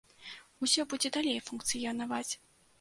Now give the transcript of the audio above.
Усё будзе далей функцыянаваць.